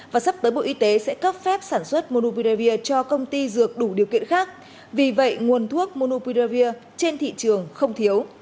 và sắp tới bộ y tế sẽ cấp phép sản xuất muvir cho công ty dược đủ điều kiện khác vì vậy nguồn thuốc monupirevir trên thị trường không thiếu